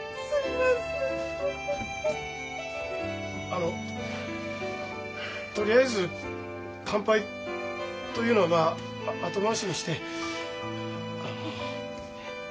あのとりあえず乾杯というのはまあ後回しにしてあの食べませんか？